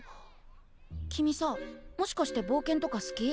君さもしかして冒険とか好き？